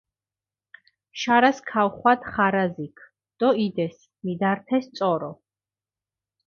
შარას ქაუხვადჷ ხარაზიქჷ დო იდეს, მიდართეს წორო.